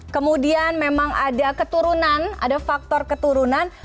kemudian memang ada keturunan ada faktor keturunan